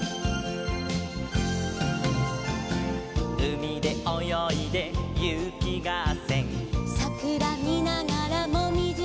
「うみでおよいでゆきがっせん」「さくらみながらもみじがり」